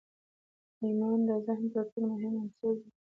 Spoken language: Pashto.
ایمان د ذهن تر ټولو مهم عنصر دی